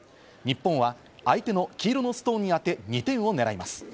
日本は相手の黄色のストーンに当て、２点、を狙います。